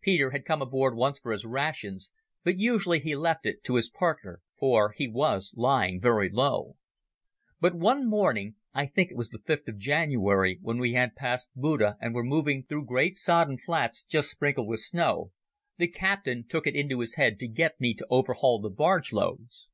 Peter had come aboard once for his rations, but usually he left it to his partner, for he was lying very low. But one morning—I think it was the 5th of January, when we had passed Buda and were moving through great sodden flats just sprinkled with snow—the captain took it into his head to get me to overhaul the barge loads.